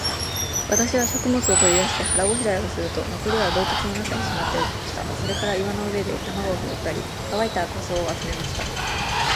私は食物を取り出して、腹ごしらえをすると、残りは洞穴の中にしまっておきました。それから岩の上で卵を拾ったり、乾いた枯草を集めました。